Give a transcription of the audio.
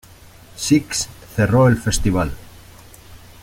Six", cerró el festival.